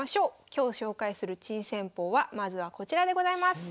今日紹介する珍戦法はまずはこちらでございます。